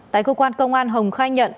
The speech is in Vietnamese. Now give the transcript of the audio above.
tại cơ quan công an hồng khai nhận